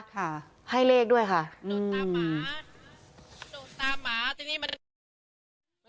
ค่ะให้เลขด้วยค่ะอืม